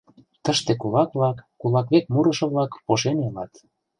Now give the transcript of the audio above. Тыште кулак-влак, кулак век мурышо-влак пошен илат.